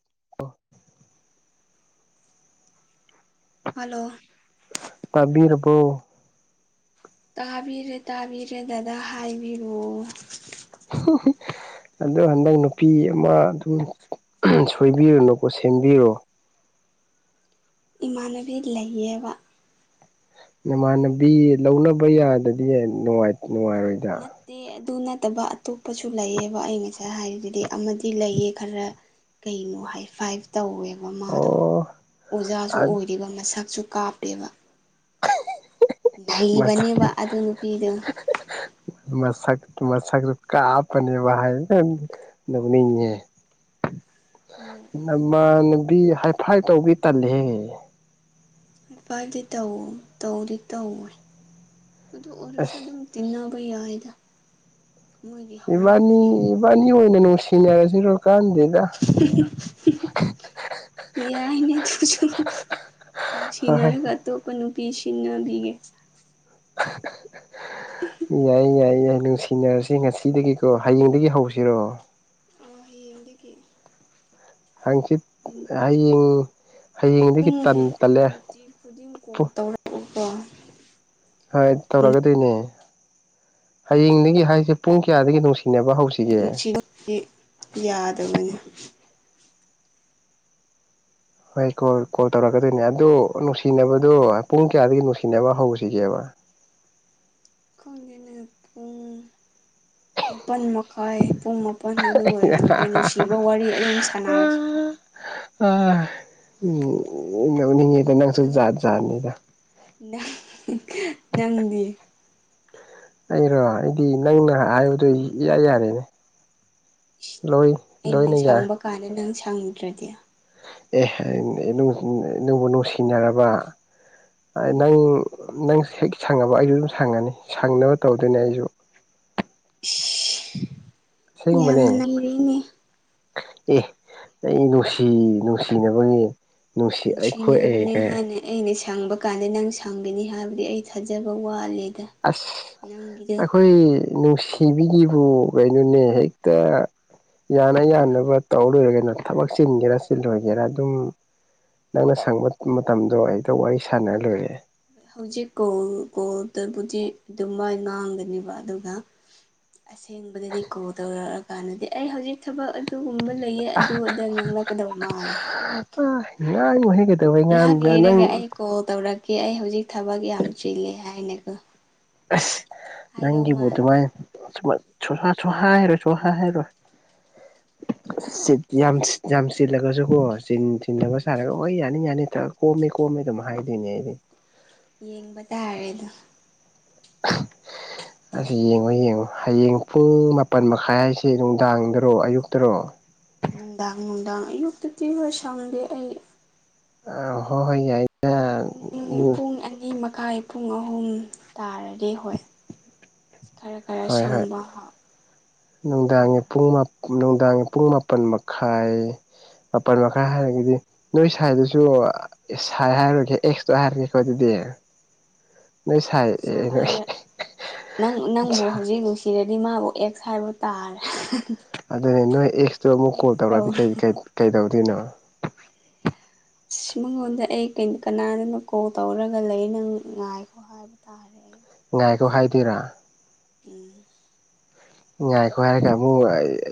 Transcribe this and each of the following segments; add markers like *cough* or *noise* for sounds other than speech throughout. *unintelligible* Hello ꯇꯥꯕꯤꯔꯕꯣ ꯇꯥꯕꯤꯔꯦ ꯇꯥꯕꯤꯔꯦ ꯗꯗꯥ ꯍꯥꯏꯕꯤꯔꯛꯑꯣ *unintelligible* ꯑꯗꯣ ꯍꯟꯗꯛ ꯅꯨꯄꯤ ꯑꯃ ꯑꯗꯨꯝ ꯁꯣꯏꯕꯤꯔꯨꯅꯨꯀꯣ ꯁꯦꯝꯕꯤꯔꯣ ꯏꯃꯥꯟꯅꯕꯤ ꯂꯩꯌꯦꯕ ꯅꯃꯥꯟꯅꯕꯤ ꯂꯧꯅꯕ ꯌꯥꯗꯗꯤ ꯅꯨꯡꯉꯥꯏ ꯅꯨꯡꯉꯥꯔꯣꯏ ꯅꯠ ꯗꯦ ꯑꯗꯨ ꯅꯠꯇꯕ ꯑꯇꯣꯞꯄꯁꯨ ꯂꯩꯌꯦꯕ ꯑꯩ ꯉꯁꯥꯏ ꯍꯥꯏꯔꯤꯗꯗꯤ ꯑꯃꯗꯤ ꯂꯩꯌꯦ ꯈꯔ ꯀꯩꯅꯣ ꯍꯥꯏ ꯐꯥꯏꯚ ꯇꯧꯋꯦ ꯃꯃꯥꯗꯣ ꯑꯣ ꯑꯣꯖꯥꯁꯨ ꯑꯣꯏꯔꯤꯕ ꯃꯁꯛꯁꯨ ꯀꯥꯞꯄꯦꯕ ꯃꯁꯛ ꯅꯍꯩꯕꯅꯦꯕ ꯑꯗꯨ ꯅꯨꯄꯤꯗꯨ ꯃꯁꯛ ꯃꯁꯛꯇꯣ ꯀꯥꯞꯄꯅꯦꯕ *unintelligible* ꯅꯣꯛꯅꯤꯡꯉꯦ ꯅꯣꯛꯑꯣ ꯢꯃꯥꯟꯅꯕꯤ ꯍꯥꯏꯐꯥꯏ ꯇꯧꯕꯤ ꯇꯜꯂꯦꯍꯦ ꯍꯥꯏ ꯐꯥꯢꯚꯗꯤ ꯇꯧ ꯇꯧꯗꯤ ꯇꯧꯋꯦ ꯑꯗꯨ ꯑꯣꯏꯔꯁꯨ ꯑꯁ ꯑꯗꯨꯝ ꯇꯤꯟꯅꯕ ꯌꯥꯏꯗ ꯃꯣꯏꯒꯤ ꯏꯕꯥꯟꯅꯤ ꯍꯧꯅꯕꯤ ꯏꯕꯥꯟꯅꯤ ꯑꯣꯏꯅ ꯅꯨꯡꯁꯤꯅꯔꯁꯤꯔꯣ ꯀꯥꯟꯗꯦ *unintelligible* ꯌꯥꯏꯅꯦ ꯑꯗꯨꯁꯨ ꯍꯣꯏ ꯍꯣꯏ ꯅꯨꯡꯁꯤꯅꯔꯒ ꯇꯣꯞꯄ ꯅꯨꯄꯤ ꯁꯤꯟꯅꯕꯤꯌꯦ *unintelligible* ꯌꯥꯏꯌꯦ ꯌꯥꯏꯌꯦ ꯌꯥꯏ ꯅꯨꯡꯁꯤꯅꯔꯁꯤ ꯉꯁꯤꯗꯒꯤꯀꯣ ꯍꯌꯦꯡꯗꯒꯤ ꯍꯧꯁꯤꯔꯣ ꯑꯣ ꯍꯌꯦꯡꯗꯒꯤ ꯍꯪꯆꯤꯠ ꯎꯝ ꯍꯌꯦꯡ ꯍꯌꯦꯡꯗꯒꯤ ꯇꯟ ꯇꯜꯂꯦ ꯅꯨꯡꯇꯤ ꯈꯨꯗꯤꯡ ꯀꯣꯜ ꯇꯧꯔꯛꯎꯀꯣ ꯍꯣꯏ ꯇꯧꯔꯛꯀꯗꯨꯏꯅꯦ ꯍꯌꯦꯡꯗꯒꯤ ꯍꯥꯏꯁꯦ ꯄꯨꯡ ꯀꯌꯥꯗꯒꯤ ꯅꯨꯡꯁꯤꯅꯕ ꯍꯧꯁꯤ ꯅꯨꯡꯁꯤ *unintelligible* ꯌꯥꯗꯕꯅꯦ ꯍꯣꯏ ꯀꯣꯜ ꯀꯣꯜ ꯇꯧꯔꯛꯀꯗꯨꯏꯅꯦ ꯑꯗꯨ ꯅꯨꯡꯁꯤꯅꯕꯗꯨ ꯄꯨꯡ ꯀꯌꯥꯗꯒꯤ ꯅꯨꯡꯁꯤꯅꯕ ꯍꯧꯁꯤꯒꯦꯕ ꯈꯪꯗꯦꯅꯦ ꯄꯨꯡ ꯃꯥꯄꯟ ꯃꯈꯥꯏ ꯄꯨꯡ ꯃꯥꯄꯟ ꯑꯗꯨꯋꯥꯏꯗꯧꯔꯗꯤ ꯅꯨꯡꯁꯤꯕ ꯋꯥꯔꯤ ꯑꯗꯨꯝ ꯁꯥꯟꯅꯥꯔꯁꯨꯀꯣ ꯑ ꯎꯝ ꯅꯧꯅꯤꯡꯉꯤꯗ ꯅꯪꯁꯨ ꯅꯪ ꯖꯥꯠ ꯖꯥꯠꯅꯤꯗ ꯅꯪ ꯅꯪꯗꯤ ꯑꯩꯔꯣ ꯑꯩꯗꯤ ꯅꯪꯅ ꯍꯥꯏꯕꯗꯣ ꯏꯌꯥ ꯌꯥꯔꯦꯅꯦ ꯢꯁ ꯂꯣꯏ ꯑꯩꯅ ꯂꯣꯏꯅ ꯌꯥꯏ ꯁꯪꯕ ꯀꯥꯟꯗ ꯅꯪ ꯁꯪꯗ꯭ꯔꯗꯤ ꯑꯦ *unintelligible* ꯅꯨꯡꯕꯨ ꯅꯨꯡꯁꯤꯅꯔꯕꯥ ꯑ ꯎꯝ ꯅꯪ ꯅꯪꯁꯨ ꯍꯦꯛ ꯁꯪꯉꯕ ꯑꯩꯖꯨ ꯑꯗꯨꯝ ꯁꯪꯉꯅꯤ ꯁꯪꯅꯕ ꯇꯧꯗꯨꯢꯅꯦ ꯑꯩꯖꯨ ꯌꯥꯝ ꯁꯦꯡꯕꯅꯦ ꯅꯩꯔꯦꯅꯦ ꯑꯦ ꯑꯩ ꯅꯨꯡꯁꯤ ꯅꯨꯡꯁꯤꯅꯕꯒꯤ ꯅꯨꯡꯁꯤ ꯑꯩꯈꯣꯏ ꯑꯦ ꯅꯨꯡꯁꯤꯅꯕꯅꯦ ꯀꯩ ꯍꯥꯏꯅꯤ ꯑꯩꯅ ꯁꯪꯕ ꯀꯥꯟꯗ ꯅꯪ ꯁꯪꯒꯅꯤ ꯍꯥꯏꯕꯗꯤ ꯑꯩ ꯊꯥꯖꯕ ꯋꯥꯠꯂꯤꯗ ꯑꯁ ꯑꯈꯣꯏ ꯅꯨꯡꯁꯤꯕꯤꯒꯤꯕꯨ ꯀꯩꯅꯣꯅꯦ ꯍꯦꯛꯇ ꯌꯥꯅ ꯌꯥꯅꯕ ꯇꯧꯔ ꯂꯣꯏꯔꯦ ꯀꯩꯅꯣ ꯊꯕꯛ ꯆꯤꯟꯒꯦꯔꯥ ꯆꯤꯜꯂꯣꯏꯒꯦꯔꯥ ꯑꯗꯨꯝ ꯅꯪꯅ ꯁꯪꯕ ꯃꯇꯝꯗꯣ ꯍꯦꯛꯇ ꯋꯥꯔꯤ ꯁꯥꯟꯅꯔ ꯂꯣꯏꯔꯦ ꯍꯧꯖꯤꯛ ꯀꯣꯜ ꯀꯣꯜꯇꯕꯨꯗꯤ ꯑꯗꯨꯝꯃꯥꯏ ꯉꯥꯡꯒꯅꯤꯕ ꯑꯗꯨꯒ ꯑꯁꯦꯡꯕꯗꯗꯤ ꯀꯣꯜ ꯇꯧꯔꯛꯑꯀꯥꯟꯗꯗꯤ ꯑꯩ ꯍꯧꯖꯤꯛ ꯊꯕꯛ ꯑ ꯑꯗꯨꯒꯨꯝꯕ ꯂꯩꯌꯦ ꯑꯗꯨ ꯑꯗ ꯉꯪꯂꯛꯀꯗꯕ ꯃꯥꯜꯂꯦ ꯑ ꯉꯥꯡꯉꯣꯏꯍꯦ ꯀꯩꯗꯧꯕꯩ ꯉꯥꯏꯍꯥꯛ ꯉꯥꯡꯕ꯭ꯔꯥ ꯅꯪ ꯂꯩꯔꯒ ꯑꯩ ꯀꯣꯜ ꯇꯧꯔꯛꯀꯦ ꯑꯩ ꯍꯧꯖꯤꯛ ꯊꯕꯛ ꯌꯥꯝ ꯆꯤꯂꯦ ꯍꯥꯏꯅꯦꯀꯣ ꯑꯁ ꯅꯪꯒꯤꯕꯨ ꯃꯥꯜꯂꯦ ꯑꯗꯨꯃꯥꯏ *unintelligible* ꯍꯥꯏꯔꯣꯏ ꯁꯨ ꯍꯥꯏ ꯍꯥꯏꯔꯣꯏ ꯁꯤꯠ ꯌꯥꯝ ꯁꯤ ꯌꯥꯝ ꯆꯤꯜꯂꯒꯁꯨ ꯀꯣ ꯆꯤꯟ ꯊꯤꯟꯗꯕ ꯁꯥꯔꯒ ꯍꯣꯏ ꯌꯥꯅꯤ ꯌꯥꯅꯤ ꯊꯥ ꯀꯣꯝꯃꯦ ꯀꯣꯝꯃꯦ ꯑꯗꯨꯝ ꯍꯥꯏꯗꯣꯏꯅꯦ ꯑꯩꯗꯤ ꯌꯦꯡꯕ ꯇꯥꯔꯦ ꯑꯗꯣ *inaudible* ꯑꯁ ꯌꯦꯡꯉꯣ ꯌꯦꯡꯉꯣ ꯍꯌꯦꯡ ꯄꯨꯡ ꯃꯥꯄꯟ ꯃꯈꯥꯏ ꯍꯥꯏꯁꯦ ꯅꯨꯡꯗꯥꯡꯗꯔꯣ ꯑꯌꯨꯛꯇꯥꯔꯣ ꯅꯨꯡꯗꯥꯡ ꯅꯨꯡꯗꯥꯡ ꯑꯌꯨꯛꯇꯥꯗꯤ ꯍꯣꯏ ꯁꯪꯗꯦ ꯑꯩ ꯑꯥ ꯍꯣꯏ ꯍꯣꯏ ꯌꯥꯏ ꯄꯨꯡ ꯄꯨꯡ ꯑꯅꯤ ꯃꯈꯥꯏ ꯄꯨꯡ ꯑꯍꯨꯝ ꯇꯥꯔꯗꯤ ꯍꯣꯏ ꯈꯔ ꯈꯔ ꯍꯣꯏ ꯍꯣꯏ ꯁꯪꯕ ꯍꯥ ꯅꯨꯡꯗꯥꯡꯒꯤ ꯄꯨꯡ ꯃꯥꯞ ꯅꯨꯡꯗꯥꯡꯒꯤ ꯄꯨꯡ ꯃꯥꯄꯟ ꯃꯈꯥꯏ ꯃꯥꯄꯟ ꯃꯈꯥꯏ ꯍꯥꯏꯔꯒꯥꯗꯤ ꯅꯣꯏ ꯁꯥꯏꯗꯨꯁꯨ ꯑꯦ ꯁꯥꯏ ꯍꯥꯏꯔꯔꯣꯏꯒꯦ ꯑꯦꯛꯁꯇꯣ ꯍꯥꯏꯔꯒꯦꯀꯣ ꯑꯗꯨꯗꯤ ꯅꯣꯏ ꯁꯥꯏ ꯅꯣꯏ ꯁꯥꯏꯔ ꯅꯪ ꯅꯪꯕꯨ ꯍꯧꯖꯤꯛ ꯅꯨꯡꯁꯤ ꯁꯤꯔꯗꯤ ꯃꯥꯕꯨ ꯑꯦꯛꯁ ꯍꯥꯏꯕ ꯇꯥꯔꯦ ꯑꯗꯨꯅꯦ ꯅꯣꯏ ꯑꯦꯛꯁꯇꯨ ꯑꯃꯨꯛ ꯀꯣꯜ ꯑꯦꯛꯁ ꯇꯧꯔꯛꯑꯗꯤ ꯇꯧꯔꯦ ꯀꯩ ꯀꯩ ꯀꯩꯗꯧꯗꯣꯏꯅꯣ ꯁꯤ ꯃꯉꯣꯟꯗ ꯑꯩ ꯀꯩ ꯀꯅꯥꯗꯅꯣ ꯀꯣꯜ ꯇꯧꯔꯒ ꯂꯩ ꯅꯪ ꯉꯥꯏꯈꯣ ꯍꯥꯏ *unintelligible* ꯇꯥꯔꯦ ꯑꯩ ꯉꯥꯏꯈꯣ ꯍꯥꯏꯗꯣꯏꯔꯥ ꯎꯝ ꯉꯥꯏꯈꯣ ꯍꯥꯏꯔꯒ ꯑꯃꯨꯛ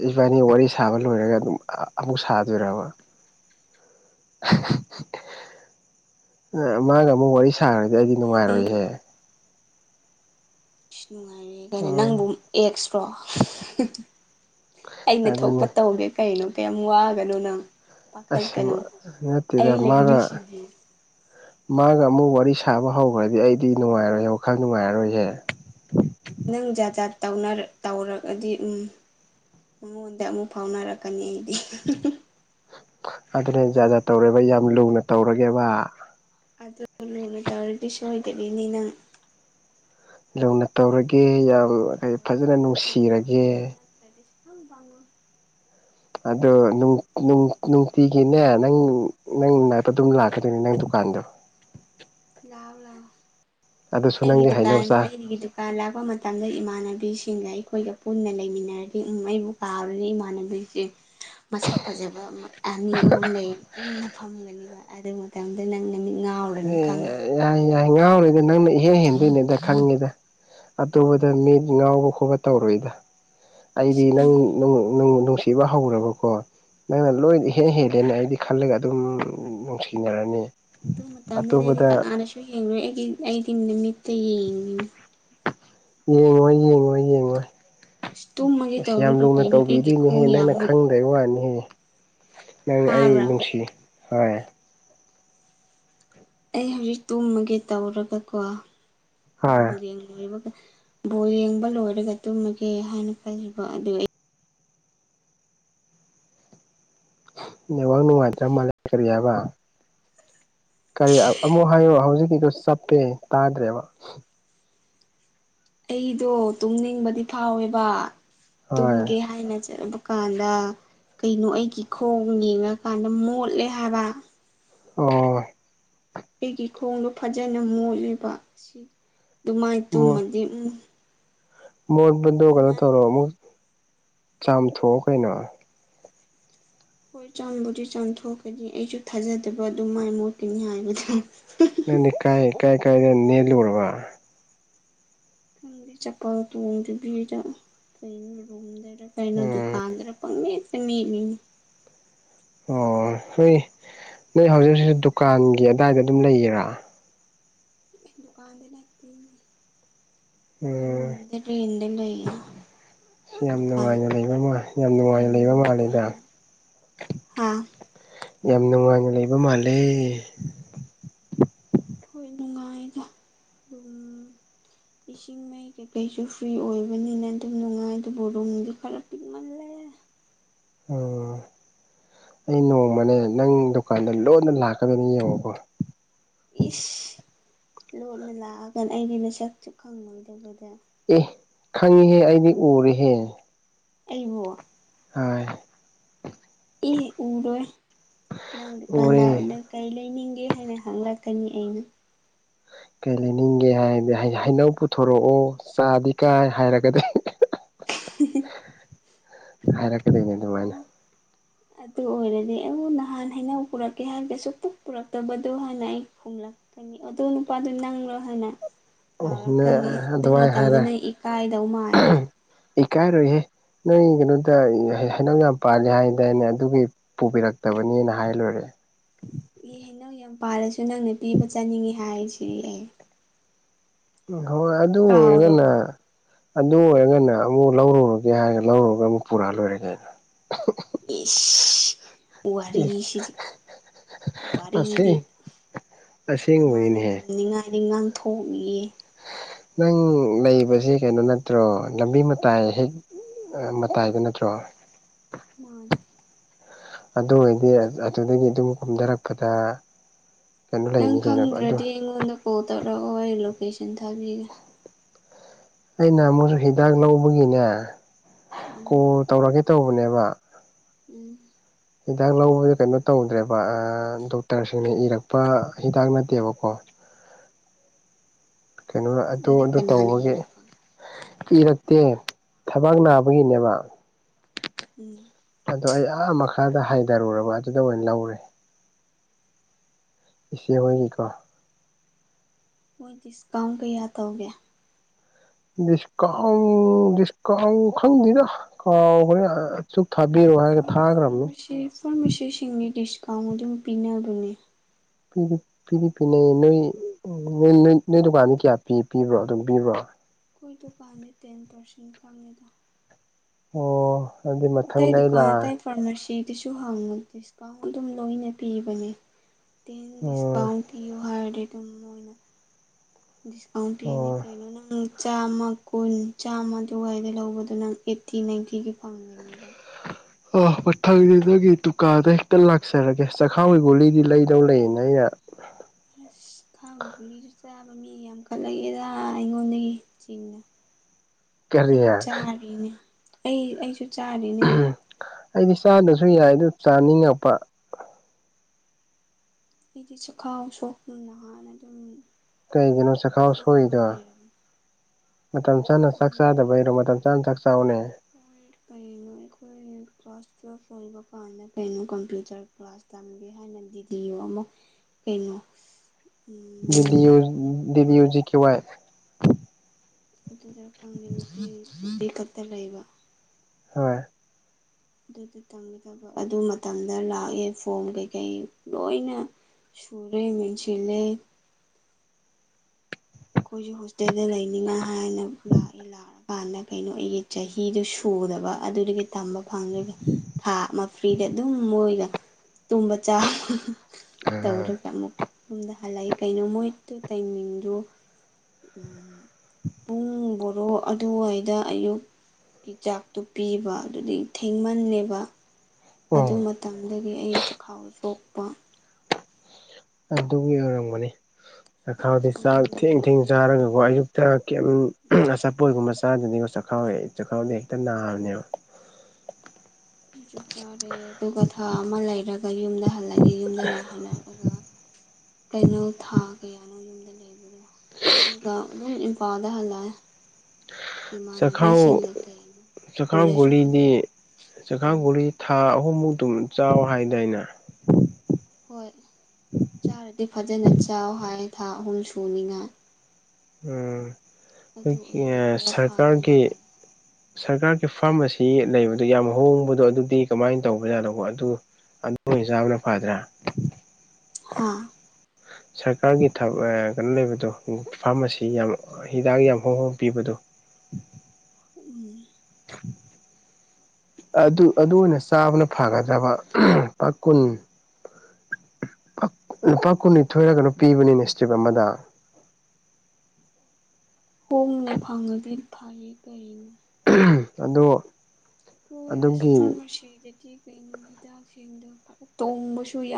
ꯏꯕꯥꯅꯤ ꯋꯥꯔꯤ ꯁꯥꯕ ꯂꯣꯏꯔꯒꯥ ꯑꯗꯨꯝ ꯑꯥ ꯑꯃꯨꯛ ꯁꯥꯗꯣꯏꯔꯕ ꯑꯥ ꯃꯥꯒ ꯑꯃꯨꯛ ꯋꯥꯔꯤꯁ ꯁꯥꯔꯗꯤ ꯑꯩꯗꯤ ꯑꯦ ꯑꯩ ꯅꯨꯡꯉꯥꯏꯔꯣꯏꯍꯦ *inaudible* ꯅꯨꯡꯉꯥꯏꯔꯦ ꯀꯥꯏꯅ ꯎꯝ ꯅꯪꯕꯨ ꯑꯦꯛꯁꯔꯣ ꯑꯩꯅ ꯊꯣꯛꯄ ꯑꯗꯨꯅꯤ ꯇꯧꯒꯦ ꯀꯩꯅꯣ ꯀꯌꯝ ꯋꯥꯒꯅꯨ ꯅꯪ ꯑꯁ ꯄꯥꯈꯠꯀꯥꯅꯨ ꯑꯩ ꯅꯠꯇꯦꯗ ꯃꯥꯒ ꯂꯩꯔꯤꯁꯤꯗꯤ ꯃꯥꯒ ꯑꯃꯨꯛ ꯋꯥꯔꯤ ꯁꯥꯕ ꯍꯧꯒ꯭ꯔꯥꯗꯤ ꯑꯩꯗꯤ ꯅꯨꯡꯉꯥꯏꯔꯣꯏ ꯋꯥꯈꯜ ꯅꯨꯡꯉꯥꯏꯔꯔꯣꯏꯍꯦ ꯅꯪ ꯖꯥꯠ ꯖꯥꯠ ꯇꯧꯅꯔꯛ ꯇꯧꯔꯛꯑꯗꯤ ꯎꯝ ꯃꯉꯣꯟꯗ ꯑꯃꯨꯛ ꯐꯥꯎꯅꯔꯛꯀꯥꯅꯤ ꯑꯩꯗꯤ ꯑꯗꯨꯅꯦ ꯖꯥꯠ ꯖꯥꯠ ꯇꯧꯔꯣꯏꯕ ꯌꯥꯝ ꯂꯨꯅ ꯇꯧꯔꯒꯦꯕꯥ ꯑꯗꯨ ꯂꯨꯅ ꯇꯧꯔꯗꯤ ꯁꯣꯏꯗꯕꯤꯅꯤ ꯅꯪ ꯂꯧꯅ ꯇꯧꯔꯒꯦ ꯌꯥꯝ ꯀꯩ ꯐꯖꯅ ꯅꯨꯡꯁꯤꯔꯒꯦ ꯑꯩꯗꯤ ꯁꯨ ꯐꯪ ꯐꯪ *unintelligible* ꯑꯗꯣ ꯅꯨꯡ ꯅꯨꯡ ꯅꯨꯡꯇꯤꯒꯤꯅꯦ ꯅꯪ ꯅꯪ ꯅꯅꯥꯛꯇ ꯗꯨꯝ ꯂꯥꯛꯀꯗꯣꯏꯅꯦ ꯅꯪ ꯗꯨꯀꯥꯟꯗꯣ ꯂꯥꯎ ꯂꯥꯎ ꯑꯗꯨꯁꯨ ꯑꯩꯒꯤ ꯅꯪꯒꯤ ꯍꯩꯅꯧ ꯗꯨꯀꯥꯟ ꯆꯥ ꯑꯩꯒꯤ ꯗꯨꯛ ꯀꯥꯟ ꯂꯥꯛꯄ ꯃꯇꯝꯗ ꯏꯃꯥꯟꯅꯕꯤꯁꯤꯡꯒ ꯑꯩꯈꯣꯏꯒꯥ ꯄꯨꯟꯅ ꯂꯩꯃꯤꯟꯅꯔꯗꯤ ꯎꯝ ꯑꯩꯕꯨ ꯄꯥꯝꯂꯤ ꯏꯃꯥꯟꯅꯕꯤꯖꯦ ꯃꯁꯛ ꯐꯖꯕ ꯑꯃ ꯑꯥ ꯃꯤ ꯑꯍꯨꯝ ꯂꯩ ꯄꯨꯟꯅ ꯐꯝꯒꯅꯦꯕ ꯑꯗꯨ ꯃꯇꯝꯗ ꯅꯪ ꯅꯃꯤꯠ ꯉꯥꯎꯔꯅꯤ ꯈꯪꯉꯤ ꯌꯥꯏ ꯌꯥꯏ ꯉꯥꯎꯔꯣꯏꯗ ꯅꯪꯅ ꯏꯍꯦ ꯍꯦꯟꯗꯣꯏꯅꯤꯗ ꯈꯪꯉꯤꯗ ꯑꯇꯣꯞꯕꯗ ꯃꯤꯠ ꯉꯥꯎꯕ ꯈꯣꯠꯄ ꯇꯧꯔꯣꯏꯗ ꯑꯩꯗꯤ ꯏꯁ ꯅꯪ ꯈꯪꯉꯤ ꯅꯨꯡ ꯅꯨꯡ ꯅꯨꯡꯁꯤꯕ ꯍꯧꯔꯕꯀꯣ ꯅꯪꯅ ꯂꯣꯏꯅ ꯏꯍꯦꯟ ꯍꯦꯜꯂꯦꯅ ꯑꯩꯗꯤ ꯈꯜꯂꯒ ꯑꯗꯨꯝ ꯅꯨꯡꯁꯤꯅꯔꯅꯤ ꯑꯗꯨ ꯃꯇꯝꯗꯗꯤ ꯑꯩꯗꯤ ꯑꯇꯣꯞꯄꯗ ꯀꯅꯥꯗꯁꯨ ꯌꯦꯡꯂꯣꯏ ꯑꯩꯒꯤ ꯑꯩꯗꯤ ꯅꯨꯃꯤꯠꯇꯥ ꯌꯦꯡꯅꯤ ꯌꯦꯡꯉꯣꯏ ꯌꯦꯡꯉꯣꯏ ꯌꯦꯡꯉꯣꯏ ꯑꯁ ꯇꯨꯝꯃꯒꯦ ꯏꯁ ꯌꯥꯝ ꯇꯧꯔꯒ ꯂꯨꯅ ꯀꯩꯅꯣ ꯑꯩꯒꯤ ꯇꯧꯕꯤꯗꯣꯏꯅꯦꯍꯦ ꯈꯣꯡ ꯌꯥꯝ ꯅꯪꯅ ꯃꯨꯠ ꯈꯪ ꯗꯩ ꯋꯥꯅꯤꯍꯦ꯫ ꯅꯪ ꯑꯩ ꯇꯥꯕ꯭ꯔꯥ ꯅꯨꯡꯁꯤ ꯍꯣꯏ ꯑꯩ ꯍꯧꯖꯤꯛ ꯇꯨꯝꯃꯒꯦ ꯇꯧꯔꯒꯀꯣ ꯍꯣꯏ ꯕꯣꯜ ꯌꯦꯡꯔꯨꯔꯤꯕ꯫ ꯕꯣꯜ ꯌꯦꯡꯕ ꯂꯣꯏꯔꯒ ꯇꯨꯝꯃꯒꯦ ꯍꯥꯏꯅ ꯈꯜꯂꯤꯕ ꯑꯗꯨ ꯑꯩ ꯅꯦꯠꯋꯥꯛ ꯅꯨꯡꯉꯥꯏꯇ꯭ꯔ ꯃꯥꯜꯂꯦ꯫ ꯀꯔꯤ ꯍꯥꯏꯕ? ꯀꯔꯤ? ꯑꯃꯨꯛ ꯍꯥꯏꯌꯣ ꯍꯧꯖꯤꯛꯀꯤꯗꯣ ꯆꯞꯄꯦ, ꯇꯥꯗ꯭ꯔꯦꯕ꯫ ꯑꯩꯗꯣ ꯇꯨꯝꯅꯤꯡꯕꯗꯤ ꯐꯥꯎꯋꯦꯕꯥ, ꯍꯣꯏ ꯇꯨꯝꯒꯦ ꯍꯥꯏꯅ ꯆꯠ *unintelligible* ꯀꯥꯟꯗ ꯀꯩꯅꯣ ꯑꯩꯒꯤ ꯈꯣꯡ ꯌꯦꯡꯉꯀꯥꯟꯗ ꯃꯣꯠꯂꯦ ꯍꯥꯏꯕ꯫ ꯑꯣ ꯑꯩꯒꯤ ꯈꯣꯡꯗꯣ ꯐꯖꯅ ꯃꯣꯠꯂꯤꯕ꯫ ꯁꯤ ꯗꯨꯃꯥꯏ ꯇꯨꯝꯃꯗꯤ ꯎꯝ ꯃꯣꯠꯄꯗꯣ ꯀꯩꯅꯣ ꯇꯧꯔꯣ ꯅꯨꯡꯉꯥꯏꯔꯅꯤ ꯑꯃꯨꯛ ꯆꯥꯝꯊꯣꯛꯑꯣ ꯀꯩꯅꯣ꯫ ꯍꯣꯏ ꯆꯥꯝꯕꯨꯗꯤ ꯆꯥꯝꯊꯣꯛꯀꯅꯤ ꯑꯩꯖꯨ ꯊꯥꯖꯗꯕ ꯗꯨꯃꯥꯏ ꯃꯣꯠꯀꯅꯤ ꯍꯥꯏꯕꯗꯣ *unintelligible* ꯅꯪꯗꯤ ꯀꯥꯏ ꯀꯥꯏ ꯀꯥꯏꯗ ꯅꯦꯠꯂꯨꯔꯕ? ꯈꯪꯗꯦ ꯆꯄꯜ ꯇꯣꯡꯗꯕꯤꯗ ꯀꯩꯅꯦ ꯔꯨꯝꯗꯦ ꯀꯩꯅꯣ ꯎꯝ ꯗꯨꯀꯥꯟꯗꯔ ꯄꯪꯃꯦꯠꯇ ꯃꯦꯠꯂꯤꯅꯤ꯫ ꯑꯣ ꯅꯣꯏ ꯅꯣꯏ ꯍꯧꯖꯤꯛ ꯍꯧꯖꯤꯛ ꯗꯨꯀꯥꯟꯒꯤ ꯑꯗꯥꯏꯗ ꯑꯗꯨꯝ ꯂꯩꯌꯤꯔꯥ? ꯗꯨꯀꯥꯟꯗ ꯅꯠꯇꯦꯅꯦ꯫ ꯈꯣꯏ ꯎꯝ ꯔꯨꯝꯗ ꯔꯦꯟꯗ ꯂꯩꯌꯦ꯫ ꯁꯤ ꯌꯥꯝ ꯗꯨꯀꯥꯟ ꯅꯨꯡꯉꯥꯏꯅ ꯂꯩꯕ ꯃꯥꯟ ꯌꯥꯝ ꯑꯩꯈꯣꯏ ꯅꯨꯡꯉꯥꯏꯅ ꯂꯩꯕ ꯌꯨꯝꯕꯨ ꯃꯥꯜꯂꯤꯗ? ꯈꯣꯏꯗ ꯍꯥ ꯌꯥꯝ ꯅꯨꯡꯉꯥꯏꯅ ꯂꯩꯕ ꯃꯥꯜꯂꯦ꯫ ꯍꯣꯏ ꯅꯨꯡꯉꯥꯏꯗ꯫ ꯗꯨꯝ ꯏꯁꯤꯡ ꯃꯩ ꯀꯩ ꯀꯩ ꯀꯩꯁꯨ ꯐ꯭ꯔꯤ ꯑꯣꯏꯕꯅꯤꯅ ꯗꯨꯝ ꯅꯨꯡꯉꯥꯏ ꯑꯗꯨꯕꯨ ꯔꯨꯝꯗꯤ ꯈꯔ ꯄꯤꯛꯃꯜꯂꯦ꯫ ꯎꯝ ꯑꯩ ꯅꯣꯡꯃꯅꯦ ꯅꯪ ꯗꯨꯀꯥꯟꯗ ꯂꯣꯟꯅ ꯂꯥꯛꯀꯗꯨꯏꯅꯤ ꯌꯦꯡꯉꯣꯀꯣ꯫ ꯏꯁ! ꯂꯣꯠꯅ ꯂꯥꯛꯑꯒ ꯑꯩꯗꯤ ꯅꯁꯛꯆꯨ ꯈꯪꯉꯣꯏꯗꯕꯗ ꯫ ꯑꯦ ꯈꯪꯉꯤꯍꯦ ꯑꯩꯗꯤ ꯎꯔꯦꯍꯦ꯫ ꯑꯩꯕꯨ? ꯍꯣꯏ ꯏ ꯎꯔꯣꯏ꯫ ꯅꯪꯕꯨ ꯗꯨꯀꯥꯟꯗꯥ ꯎꯔꯦ ꯎꯅ ꯀꯔꯤ ꯂꯩꯅꯤꯡꯒꯦ ꯍꯥꯏꯅ ꯍꯪꯂꯛꯀꯅꯤ ꯑꯩꯅ꯫ ꯀꯩ ꯂꯩꯅꯤꯡꯒꯦ ꯍꯥꯏꯕꯗꯤ ꯍꯩ-ꯍꯩꯅꯧ ꯄꯨꯊꯣꯔꯛꯑꯣ ꯆꯥꯗꯤ ꯀꯥꯏ ꯍꯥꯏꯔꯒꯗꯤ *unintelligible* *unintelligible* ꯍꯥꯏꯔꯛꯀꯗꯨꯨꯏꯅꯦ ꯗꯨꯃꯥꯏꯅ꯫ ꯑꯣ ꯑꯗꯨ ꯑꯣꯏꯔꯗꯤ ꯑꯩꯕꯨ ꯅꯍꯥꯟ ꯍꯩꯅꯧ ꯄꯨꯔꯛꯀꯦ ꯍꯥꯏꯒ ꯁꯨꯛꯄꯨ ꯄꯨꯔꯛꯇꯕꯗꯣ ꯍꯥꯏꯅ ꯑꯩ ꯈꯣꯡꯂꯛ ꯀꯅꯤ ꯑꯗꯨ ꯅꯨꯄꯥꯗꯨ ꯅꯪꯂꯣ ꯍꯥꯏꯅ꯫ ꯂꯥꯎꯔꯛꯀꯅꯤ, ꯑꯗꯨ ꯑꯗꯨꯃꯥꯏꯅ ꯍꯥꯏꯔꯦ ꯃꯇꯝꯗꯨꯗ ꯏꯀꯥꯏꯗꯧ ꯃꯥꯜꯂꯦ꯫ ꯏꯀꯥꯏꯔꯣꯏꯍꯦ ꯅꯪ ꯀꯩꯅꯣ *unintelligible* ꯍꯩ ꯍꯩꯅꯧ ꯌꯥꯝ ꯄꯥꯜꯂꯤ ꯍꯥꯏꯗꯥꯏꯅꯦ ꯑꯗꯨꯒꯤ ꯄꯨꯕꯤꯔꯛꯇꯕꯅꯤꯅ ꯍꯥꯏ ꯂꯣꯏꯔꯦ꯫ ꯏ ꯍꯩꯅꯧ ꯌꯥꯝ ꯄꯥꯜꯂꯁꯨ ꯅꯪꯅ ꯄꯤꯕ ꯆꯥꯅꯤꯡꯉꯤ ꯍꯥꯏꯁꯤꯗꯤ ꯑꯩ꯫ ꯎꯝ ꯑꯍꯣꯏ ꯑꯗꯨ ꯑꯣꯏꯔꯒꯅ ꯀꯥꯎꯔꯕꯣ ꯑꯗꯨ ꯑꯣꯏꯔꯒꯅ ꯑꯃꯨꯛ ꯂꯧꯔꯨꯔꯒꯦ ꯍꯥꯏꯔ ꯂꯧꯔꯨꯔꯒ ꯑꯃꯨꯛ ꯄꯨꯔꯛ ꯂꯣꯏꯔꯦꯀꯩꯅꯣ꯫ ꯏꯁ! ꯋꯥꯔꯤ ꯏꯁ ꯁꯤꯗꯤ꯫ ꯋꯥꯔꯤꯗꯤ ꯑꯁꯦꯡ ꯃꯥꯅ ꯑꯁꯦꯡꯕꯅꯤꯅꯦꯍꯦ ꯉꯥꯡꯅꯤꯡ ꯉꯥꯡꯅꯤꯡ ꯉꯥꯡ ꯊꯣꯛꯏ ꯅꯪ ꯂꯩꯕꯁꯦ ꯀꯩꯅꯣ ꯅꯠꯇ꯭ꯔꯣ ꯂꯝꯕꯤ ꯃꯇꯥꯏ ꯍꯦꯛ ꯑ ꯃꯇꯥꯏꯗ ꯅꯠꯇ꯭ꯔꯣ? ꯃꯥꯅꯦ ꯑꯗꯨ ꯑꯣꯏꯔꯗꯤ ꯑꯗꯨꯗꯒꯤ ꯑꯗꯨꯝ ꯀꯨꯝꯗꯔꯛꯄꯗ ꯅꯪ ꯈꯪꯗ꯭ꯔꯗꯤ ꯑꯩꯉꯣꯟꯗ ꯀꯣꯜ ꯇꯧꯔꯛꯑꯣ ꯑꯩ ꯂꯣꯀꯦꯁꯟ ꯊꯥꯕꯤꯒꯦ ꯑꯩꯅ ꯑꯃꯨꯛꯁꯨ ꯍꯤꯗꯥꯛ ꯂꯧꯕꯒꯤꯅꯦ ꯎꯝ ꯀꯣꯜ ꯇꯧꯔꯛꯀꯦ ꯇꯧꯕꯅꯦꯕ ꯎꯝ ꯍꯤꯗꯥꯛ ꯂꯧꯕꯗ ꯀꯩꯅꯣ ꯇꯧꯗ꯭ꯔꯦꯕ ꯑ ꯗꯣꯛꯇꯔꯁꯤꯡꯅ ꯏꯔꯛꯄ ꯍꯤꯗꯥꯛ ꯅꯠꯇꯦꯕꯀꯣ ꯀꯩꯅꯣ ꯑꯗꯨ ꯑꯗꯨꯗꯤ ꯑꯗꯨ ꯀꯅꯥꯅ ꯇꯧꯕꯒꯤ ꯏꯔꯛꯄ ꯏꯔꯛꯇꯦ ꯊꯕꯥꯛ ꯅꯥꯕꯒꯤꯅꯦꯕ ꯎꯝ ꯑꯗꯣ ꯑꯩ ꯑꯍꯥ ꯃꯈꯥꯗ ꯍꯥꯏꯊꯔꯨꯔꯕ ꯑꯗꯨꯗ ꯑꯣꯏꯅ ꯂꯧꯔꯦ ꯏꯆꯦ ꯍꯣꯏꯒꯤꯀꯣ ꯃꯣꯏ ꯗꯤꯁꯀꯥꯎꯟ ꯀꯌꯥ ꯇꯧꯒꯦ ꯗꯤꯁꯀꯥꯎꯟ ꯗꯤꯁꯀꯥꯎꯟ ꯈꯪꯗꯦꯗ ꯀꯥꯎꯒꯔꯦ ꯁꯨꯛ ꯊꯥꯕꯤꯔꯣ ꯍꯥꯏꯔꯒ ꯊꯥꯒ꯭ꯔꯝꯅꯤ ꯐꯥꯔꯃꯥꯁꯤꯁꯤꯡꯗꯤ ꯗꯤꯁꯀꯥꯎꯟ ꯑꯗꯨꯝ ꯄꯤꯅꯕꯅꯦ ꯄ ꯄꯤꯗꯤ ꯄꯤꯅꯩꯌꯦ ꯅꯣꯏ ꯅꯣꯏ ꯗꯨꯀꯥꯟꯗꯤ ꯀꯌꯥ ꯄꯤ ꯄꯤꯕ꯭ꯔꯣ ꯑꯗꯨꯝ ꯄꯤꯕ꯭ꯔꯣ ꯑꯩꯈꯣꯏ ꯗꯨꯀꯥꯟꯗꯤ ꯇꯦꯟ ꯄꯥꯔꯁꯦꯟ ꯈꯪꯉꯦꯗ ꯑꯣ ꯑꯗꯨꯗꯤ ꯑꯇꯩ ꯃꯊꯪꯗ ꯑꯩ ꯗꯨꯀꯥꯟ ꯂꯥꯛꯑꯦ ꯑꯇꯩ ꯐꯥꯔꯃꯥꯁꯤꯗꯁꯨ ꯍꯪꯉꯨ ꯗꯤꯁꯀꯥꯎꯟ ꯑꯗꯨꯝ ꯂꯣꯏꯅ ꯄꯤꯕꯅꯦ ꯇꯦꯟ ꯎꯝ ꯗꯤꯁꯀꯥꯎꯟ ꯄꯤꯌꯨ ꯍꯥꯏꯔꯗꯤ ꯑꯗꯨꯝ ꯃꯣꯏꯅ ꯗꯤꯁꯀꯥꯎꯟ ꯄꯤꯅꯤ ꯑꯣ ꯀꯩꯅꯣ ꯅꯪ ꯆꯥꯝꯃ ꯀꯨꯟ ꯆꯥꯝꯃ ꯑꯗꯨꯋꯥꯏꯗ ꯂꯧꯕꯗꯨ ꯅꯪ ꯑꯩꯠꯇꯤ ꯅꯥꯏꯟꯇꯤꯗꯤ ꯐꯪꯒꯅꯦꯕ ꯑ ꯃꯊꯪꯗꯤ ꯅꯪꯒꯤ ꯗꯨꯀꯥꯟꯗ ꯍꯦꯛꯇ ꯂꯥꯛꯆꯔꯒꯦ ꯆꯈꯥꯎꯒꯤ ꯒꯨꯂꯤꯗꯤ ꯂꯩꯗꯧ ꯂꯩꯌꯦꯅ ꯑꯩꯅ ꯑꯁ ꯆꯈꯥꯎꯒꯤ ꯒꯨꯂꯤ ꯆꯥꯕ ꯃꯤ ꯌꯥꯝꯈꯠꯂꯛꯌꯦꯗ ꯑꯩꯉꯣꯟꯗꯒꯤ ꯆꯤꯡꯅ ꯀꯔꯤ ꯑꯩꯁꯨ ꯆꯥꯔꯤꯅꯦ ꯑꯩ ꯑꯩꯁꯨ ꯆꯥꯔꯤꯅꯦꯕ ꯑꯩꯗꯤ ꯆꯥꯗꯁꯨ ꯌꯥꯏ ꯑꯗꯨ ꯆꯥꯅꯤꯡꯉꯛꯄ ꯑꯩꯗꯤ ꯆꯈꯥꯎ ꯁꯣꯛ ꯅꯍꯥꯟꯅ ꯑꯗꯨꯝ ꯀꯩꯒꯤꯅꯣ ꯆꯈꯥꯥꯎ ꯁꯣꯛꯑꯒ ꯁꯣꯛꯏꯗꯣ ꯂꯩꯔꯕꯅꯤ ꯃꯇꯝ ꯆꯥꯅ ꯆꯥꯛ ꯈꯪꯗꯦ ꯑꯩꯁꯨ ꯆꯥꯗꯕꯩꯔꯣ ꯃꯇꯝ ꯆꯥꯅ ꯆꯥꯛ ꯆꯥꯎꯅꯦ ꯀꯩꯅꯣ ꯑꯩꯈꯣꯏ ꯀ꯭ꯂꯥꯁ ꯇꯨꯋꯦꯐ ꯂꯣꯏꯕ ꯄꯥꯝꯃꯦ ꯀꯩꯅꯣ ꯀꯝꯄꯌꯨꯇꯔ ꯀ꯭ꯂꯥꯁ ꯇꯝꯒꯦ ꯍꯥꯏꯅ ꯗꯤꯗꯤꯌꯣ ꯑꯃ ꯀꯩꯅꯣ ꯗꯤꯗꯤꯌꯣ ꯗꯤꯕꯤꯌꯣ ꯖꯤ ꯀꯦ ꯋꯥꯥꯏ ꯑꯗꯨꯗ ꯈꯪꯗꯦ ꯅꯨꯄꯤ ꯅꯨꯄꯤ ꯈꯛꯇ ꯂꯩꯕ ꯍꯣꯏ ꯑꯗꯨꯗꯤ ꯇꯝꯒꯗꯕ ꯑꯗꯨ ꯃꯇꯝꯗ ꯂꯥꯛꯑꯦ ꯐꯣꯝ ꯀꯩꯀꯩ ꯂꯣꯏꯅ ꯁꯨꯔꯦ ꯃꯦꯁꯤꯜ ꯂꯩ ꯑꯩꯈꯣꯏꯁꯨ ꯍꯣꯁꯇꯦꯜꯗ ꯂꯩꯅꯤꯡꯉꯥꯢ ꯍꯥꯏꯅ ꯂꯥꯛꯏ ꯂꯥꯎꯔ ꯀꯥꯟꯗ ꯀꯩꯅꯣ ꯑꯩꯒꯤ ꯆꯍꯤꯗꯨ ꯁꯨꯗꯕ ꯑꯗꯨꯗꯒꯤ ꯇꯝꯕ ꯐꯪꯗ꯭ꯔꯕꯩ ꯊꯥ ꯑꯃ ꯐ꯭ꯔꯤꯗ ꯑꯗꯨꯝ ꯃꯣꯏꯗ ꯇꯨꯝꯕ ꯆꯥꯕ ꯇꯧꯔꯒ ꯑꯃꯨꯛ ꯌꯨꯝꯗ ꯍꯜꯂꯛꯏ ꯀꯩꯅꯣ ꯃꯣꯏꯗꯨ ꯇꯥꯏꯃꯤꯡꯗꯨ ꯄꯨꯡ ꯕꯣꯔꯣ ꯑꯗꯨꯋꯥꯏꯗ ꯑꯌꯨꯛ ꯒꯤ ꯆꯥꯛꯇꯨ ꯄꯤꯕ ꯑꯗꯨꯗꯒꯤ ꯊꯦꯡꯃꯟꯅꯦꯕ ꯑꯗꯨ ꯑꯣ ꯃꯇꯝꯗꯒꯤ ꯑꯩ ꯆꯈꯥꯎ ꯁꯣꯛꯄ ꯑꯗꯨꯒꯤ ꯑꯣꯏꯔꯝꯒꯅꯤ ꯆꯈꯥꯎꯗꯤꯥ ꯑꯗꯨ ꯆꯥꯛ ꯊꯦꯡ ꯊꯦꯡ ꯑꯣꯏꯔꯦ ꯆꯥꯔꯒꯀꯣ ꯑꯗꯨꯒ ꯑꯌꯨꯛꯇ ꯀꯩꯌꯤꯝ ꯑꯆꯥꯄꯣꯠꯒꯨꯝꯕ ꯆꯥꯗꯗꯤ ꯆꯥꯛꯈꯥꯎ ꯆꯥꯛꯈꯥꯎꯗ ꯍꯦꯛꯇ ꯅꯥꯕꯅꯦꯕ ꯑꯗꯨꯨꯨ ꯆꯥꯔꯦ ꯑꯗꯨꯒ ꯊꯥ ꯑꯃ ꯂꯩꯔꯒ ꯌꯨꯝꯗ ꯍꯜꯂꯛ ꯑꯗꯤ ꯌꯨꯝꯗ ꯂꯍꯜꯂꯛꯑꯒ ꯀꯩꯅꯧ ꯊꯥ ꯀꯌꯥꯅꯣ ꯌꯨꯝꯗ ꯂꯩ ꯑꯗꯨꯒ ꯑꯗꯨꯝ ꯏꯝꯐꯥꯜꯗ ꯍꯜꯂꯛꯑꯦ ꯆꯈꯥꯎ ꯏꯃꯥꯟꯅꯕꯤꯁꯤꯡꯒ ꯀꯩꯅꯣ ꯆꯈꯥꯎ ꯀꯣꯂꯦꯖꯁꯨ ꯒꯨꯂꯤꯗꯤ ꯐꯖꯅ ꯆꯈꯥꯎ ꯎꯝ ꯒꯨꯂꯤ ꯊꯥ ꯑꯍꯨꯝꯃꯨꯛ ꯗꯨꯝ ꯆꯥꯎ ꯍꯥꯏꯗꯥꯏꯅꯦ ꯍꯣꯏ ꯆꯥꯔꯗꯤ ꯐꯖꯅ ꯆꯥꯎ ꯍꯥꯏ ꯊꯥ ꯑꯍꯨꯝ ꯁꯨꯅꯤꯉꯥꯏ ꯎꯝ ꯑꯗꯨ ꯑꯣꯏꯔꯦ ꯑꯩꯈꯣꯏꯒꯤ ꯈꯔ ꯐꯥꯗꯧ ꯁꯔꯀꯥꯔꯒꯤ ꯃꯥꯂꯦ ꯁꯔꯀꯥꯔꯒꯤ ꯐꯥꯔꯃꯥꯁꯤ ꯂꯩꯕꯗꯨ ꯌꯥꯝ ꯍꯣꯡꯕꯗꯣ ꯑꯗꯨꯗꯤ ꯀꯃꯥꯏꯅ ꯇꯧꯕꯖꯥꯠꯅꯣꯀꯣ ꯑꯗꯨ ꯑꯗꯨ ꯑꯣꯏ ꯆꯥꯕꯅ ꯐꯗ꯭ꯔꯥ ꯍꯥꯥ ꯁ꯭ꯔꯀꯥꯔꯒꯤ ꯊꯕꯛ ꯀꯩꯅꯣ ꯂꯩꯕꯗꯣ ꯐꯥꯔꯃꯥꯁꯤ ꯌꯥꯝ ꯍꯤꯗꯥꯛ ꯌꯥꯝ ꯍꯣꯡ ꯍꯣꯡ ꯄꯤꯕꯗꯣ ꯎꯝ *inaudible* ꯑ ꯑꯗꯨ ꯑꯗꯨ ꯑꯣꯏꯅ ꯆꯥꯕꯅ ꯐꯒꯗ꯭ꯔꯕ ꯄꯥ ꯀꯨꯟ ꯄꯥ ꯂꯨꯄꯥ ꯀꯨꯟꯅꯤꯊꯣꯏꯔ ꯀꯩꯅꯣ ꯄꯤꯕꯅꯤꯅꯦ ꯏꯁꯇ꯭ꯔꯤꯞ ꯑꯃꯗ ꯍꯣꯡꯅ ꯐꯪꯉꯗꯤ ꯐꯩꯌꯦ ꯀꯩꯅꯣ *unintelligible* ꯑꯗꯣ ꯍꯣꯏ ꯑꯁ ꯑꯗꯨꯒꯤ ꯐꯥꯔꯃꯥꯁꯤꯒꯤꯗꯤ ꯀꯩꯅꯣ ꯍꯤꯗꯥꯛꯁꯤꯡꯗꯣ ꯐ ꯇꯣꯡꯕꯁꯨ ꯌꯥꯝ